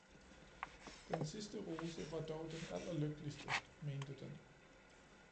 Den sidste rose var dog den allerlykkeligste, mente den